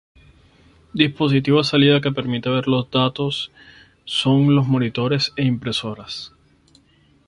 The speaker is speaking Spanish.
Dispositivos de salida que permiten ver los datos son los monitores e impresoras.